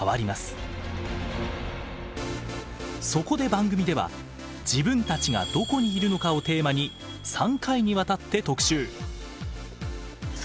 そこで番組では「自分たちがどこにいるのか」をテーマに３回にわたって特集。